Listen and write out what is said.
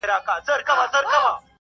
هر غاټول يې زما له وينو رنګ اخيستی.!